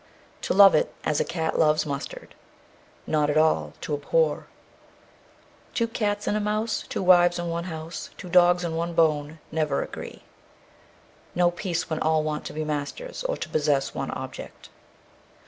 To love it as a cat loves mustard. Not at all. To abhor. Two cats and a mouse, two wives in one house, two dogs and one bone, never agree. No peace when all want to be masters, or to possess one object.